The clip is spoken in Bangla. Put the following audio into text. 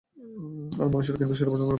আর মানুষেরাও কিন্তু সেটা পছন্দ করত।